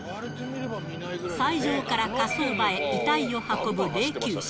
斎場から火葬場へ遺体を運ぶ霊きゅう車。